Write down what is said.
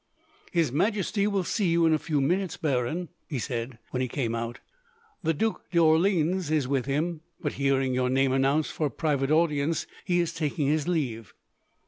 "His Majesty will see you in a few minutes, Baron," he said, when he came out. "The Duc d'Orleans is with him, but, hearing your name announced for a private audience, he is taking his leave."